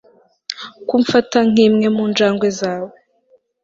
kumfata nkimwe mu njangwe zawe